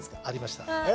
ありました。